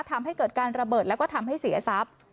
ทำให้เกิดการระเบิดแล้วก็ทำให้เสียทรัพย์